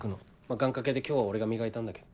願掛けで今日は俺が磨いたんだけど。